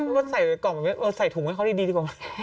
เว้ยก็ใส่ถุงให้เขาดีดีกว่าไหม